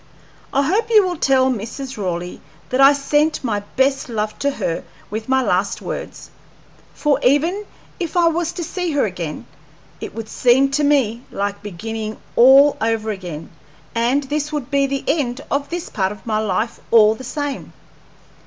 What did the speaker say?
I hope you will tell Mrs. Raleigh that I sent my best love to her with my last words; for even if I was to see her again, it would seem to me like beginning all over again, and this would be the end of this part of my life all the same.